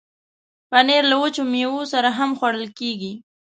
پنېر له وچو میوو سره هم خوړل کېږي.